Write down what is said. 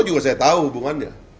juga saya tahu hubungannya